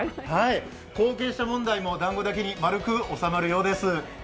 後継者問題も、だんごだけに丸く収まるようです。